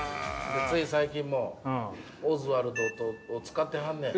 つい最近もオズワルドを使ってはんねん。